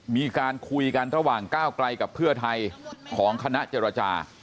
มีการคุยกันระหว่างก้าวไกลกับเพื่อไทยของคณะเจรจา